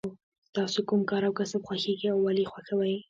ستاسو کوم کار او کسب خوښیږي او ولې یې خوښوئ.